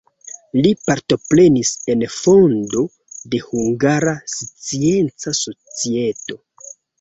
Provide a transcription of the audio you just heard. Li partoprenis en fondo de Hungara Scienca Societo.